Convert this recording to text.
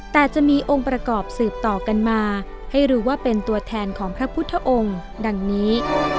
แต่จะมีองค์ประกอบสืบต่อกันมาให้รู้ว่าเป็นตัวแทนของพระพุทธองค์ดังนี้